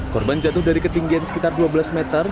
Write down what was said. korban jatuh dari ketinggian sekitar dua belas meter